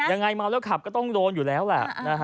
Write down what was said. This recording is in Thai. ยังไงเมาก็ขับงั้นต้องโลนอยู่แล้วล่ะ